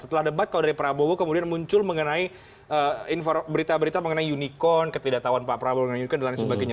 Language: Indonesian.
setelah debat kalau dari prabowo kemudian muncul mengenai berita berita mengenai unicorn ketidaktahuan pak prabowo mengenai unicorn dan lain sebagainya